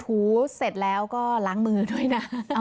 หูเสร็จแล้วก็ล้างมือด้วยนะ